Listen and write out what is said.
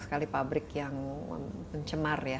sekali pabrik yang mencemar